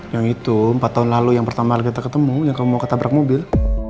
yang itu empat tahun lalu yang pertama kita ketemu yang kamu mau ketabrak mobil